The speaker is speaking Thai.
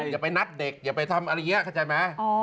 อย่าไปนัดเด็กอย่าไปทำอะไรเยี่ยะค้าใจไหม